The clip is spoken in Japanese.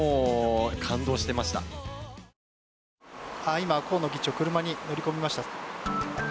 今、河野議長車に乗り込みました。